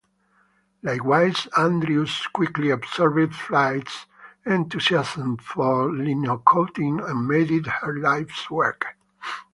Likewise, Andrews quickly absorbed Flight's enthusiasm for linocutting and made it her life's work.